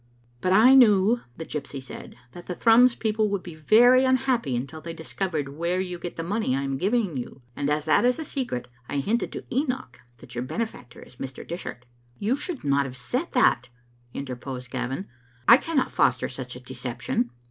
"But I knew," the gypsy said, "that the Thrums people would be very unhappy until they discovered where you get the money I am to give you, and as that is a secret, I hinted to Enoch that your benefactor is Mr. Dishart." "You should not have said that," interposed Gavin. " I cannot foster such a deception."